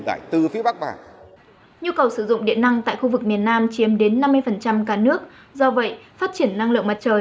rất quan tâm để chủ động đáp ứng nhu cầu điện năng phục vụ phát triển kinh tế xã hội